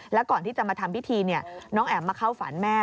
แล้วก่อนที่จะมาทำพิธีน้องแอ๋มมาเข้าฝันแม่